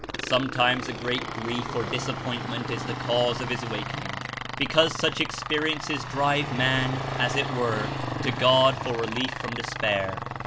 Sometimes a great grief or disappointment is the cause of his awakening, because such experiences drive man, as it were, to God for relief from despair.